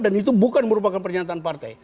dan itu bukan merupakan pernyataan partai